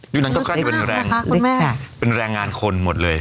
ลึกมากนะคะคุณแม่ลึกค่ะเป็นแรงงานคนหมดเลย